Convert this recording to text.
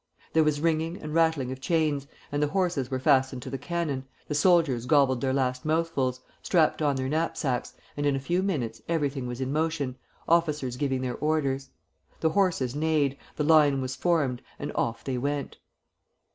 There was ringing and rattling of chains, and the horses were fastened to the cannon, the soldiers gobbled their last mouthfuls, strapped on their knapsacks, and in a few minutes everything was in motion, officers giving their orders; the horses neighed, the line was formed, and off they went.